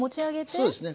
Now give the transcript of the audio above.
そうですね。